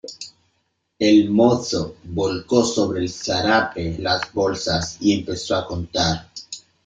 el mozo volcó sobre el zarape las bolsas , y empezó a contar .